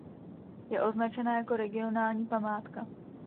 Je označena jako regionální památka.